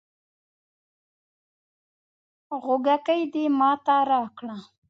غوږيکې دې ماته راکړه